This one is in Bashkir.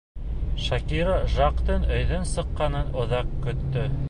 Шакира Жактың өйҙән сыҡҡанын оҙаҡ көттө.